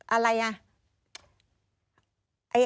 อะไรอ่ะ